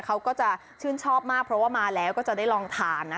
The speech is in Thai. เขาก็จะชื่นชอบมากเพราะว่ามาแล้วก็จะได้ลองทานนะ